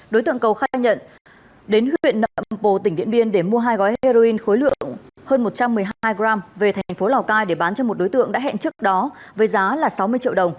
đối tượng cầu khai nhận đến huyện nậm bồ tỉnh điện biên để mua hai gói heroin khối lượng hơn một trăm một mươi hai g về thành phố lào cai để bán cho một đối tượng đã hẹn trước đó với giá là sáu mươi triệu đồng